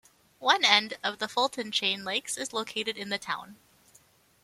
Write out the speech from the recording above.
One end of the Fulton Chain Lakes is located in the town.